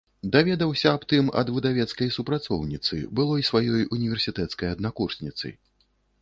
Даведаўся аб тым ад выдавецкай супрацоўніцы, былой сваёй універсітэцкай аднакурсніцы.